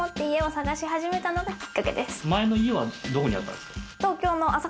探し始めたのがきっかけです。